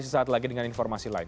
sesaat lagi dengan informasi lain